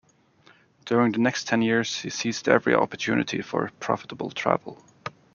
During the next ten years he seized every opportunity for profitable travel.